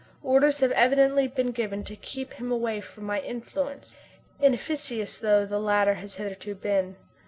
Orders have evidently been given to keep him away from my influence, inefficacious though the latter has hitherto been.